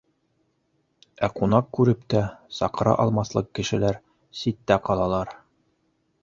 Ә ҡунаҡ күреп тә, саҡыра алмаҫлыҡ кешеләр ситтә ҡалалар.